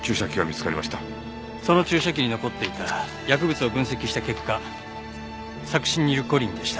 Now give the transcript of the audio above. その注射器に残っていた薬物を分析した結果サクシニルコリンでした。